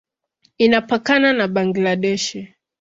Inapakana na Bangladesh.